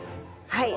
はい。